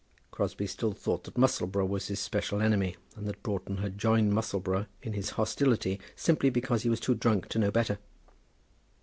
Crosbie still thought that Musselboro was his special enemy, and that Broughton had joined Musselboro in his hostility simply because he was too drunk to know better.